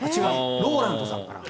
ＲＯＬＡＮＤさんかな。